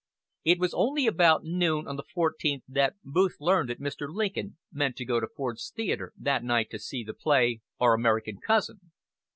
It was only about noon of the fourteenth that Booth learned that Mr. Lincoln meant to go to Ford's Theatre that night to see the play "Our American Cousin."